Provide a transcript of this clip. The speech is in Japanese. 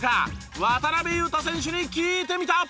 渡邊雄太選手に聞いてみた。